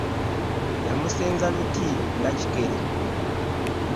Yamusenza luti nga kikere